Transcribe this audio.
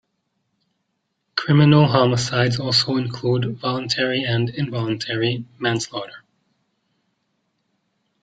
Criminal homicides also include voluntary and involuntary manslaughter.